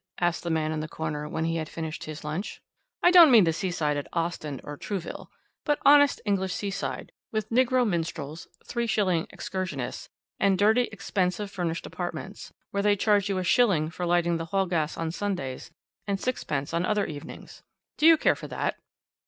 asked the man in the corner when he had finished his lunch. "I don't mean the seaside at Ostend or Trouville, but honest English seaside with nigger minstrels, three shilling excursionists, and dirty, expensive furnished apartments, where they charge you a shilling for lighting the hall gas on Sundays and sixpence on other evenings. Do you care for that?"